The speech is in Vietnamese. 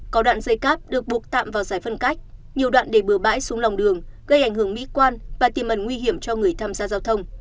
có đoạn dây cáp được buộc tạm vào giải phân cách nhiều đoạn để bừa bãi xuống lòng đường gây ảnh hưởng mỹ quan và tìm ẩn nguy hiểm cho người tham gia giao thông